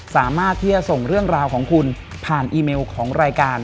สามารถที่จะส่งเรื่องราวของคุณผ่านอีเมลของรายการ